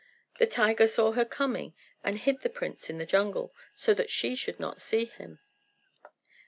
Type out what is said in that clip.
The tiger saw her coming, and hid the prince in the jungle, so that she should not see him.